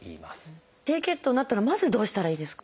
低血糖になったらまずどうしたらいいですか？